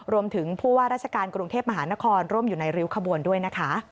รวมถึงผู้ว่าราชการกรุงเทพมหานครร่วมอยู่ในริ้วขบวนด้วยนะคะ